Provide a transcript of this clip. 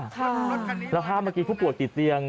ค่ะแล้วค่ะเมื่อกี้ผู้ปวดติดเตียง